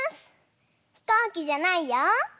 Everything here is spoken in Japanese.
ひこうきじゃないよ。